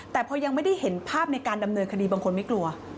แต่พอยังไม่ได้เห็นภาพในการดำเนินคดีบางคนไม่กลัว